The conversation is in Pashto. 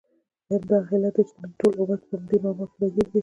همدغه علت دی چې نن ټول امت په همدې معما کې راګیر دی.